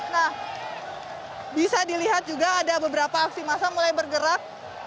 nah bisa dilihat juga ada beberapa aksi massa mulai bergerak